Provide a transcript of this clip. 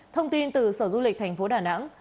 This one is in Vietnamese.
thông tin từ sở du lịch tp đà nẵng